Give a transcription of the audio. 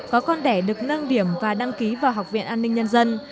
có con đẻ được nâng điểm và đăng ký vào học viện an ninh nhân dân